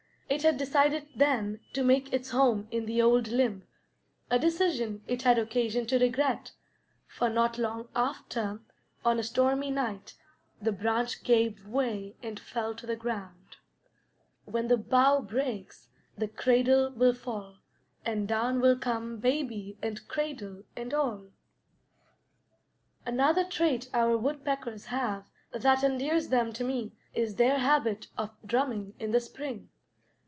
It had decided, then, to make its home in the old limb; a decision it had occasion to regret, for not long after, on a stormy night, the branch gave way and fell to the ground: "When the bough breaks the cradle will fall, And down will come baby and cradle and all." Another trait our woodpeckers have that endears them to me is their habit of drumming in the spring.